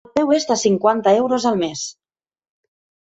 El preu és de cinquanta euros al mes.